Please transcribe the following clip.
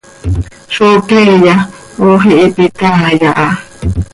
¡Zó queeya, ox ihiipe itaai aha!